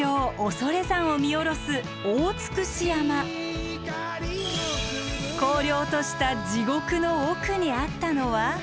恐山を見下ろす荒涼とした地獄の奥にあったのは。